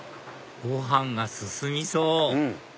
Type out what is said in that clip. ご飯が進みそう